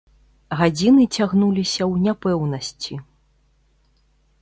Гадзіны цягнуліся ў няпэўнасці.